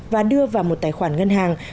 và đưa vào một tài khoản ngân hàng